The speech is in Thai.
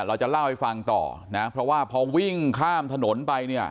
เราจะเล่าให้ฟังต่อนะเพราะว่าพอวิ่งข้ามถนนไปเนี่ย